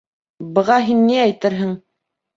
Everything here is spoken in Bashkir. Быға һин ни әйтерһең?